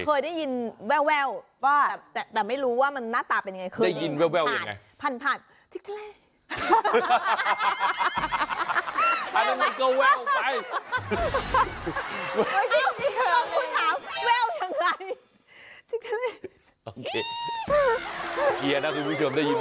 คุณผู้ชอบเวลายังไง